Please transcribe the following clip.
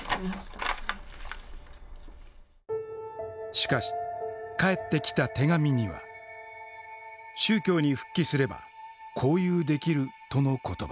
しかし返ってきた手紙には宗教に復帰すれば交友できるとの言葉。